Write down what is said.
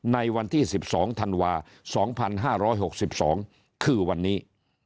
ในวันที่๑๒ธันวา๒๕๖๒คือวันนี้